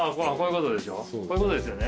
こういうことですよね？